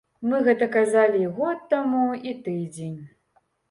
Мы гэта казалі і год таму, і тыдзень.